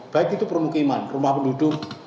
baik itu permukiman rumah penduduk